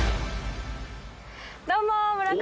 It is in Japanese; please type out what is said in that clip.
どうも！